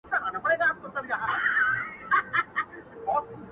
زما د ورور ناوې زما کور ته په څو لکه راځي,